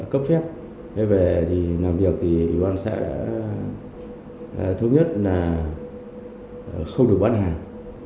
cấp phép về thì làm việc thì ủy ban xã thống nhất là không được bán hàng